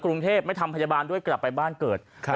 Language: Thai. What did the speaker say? กรุงเทพไม่ทำพยาบาลด้วยกลับไปบ้านเกิด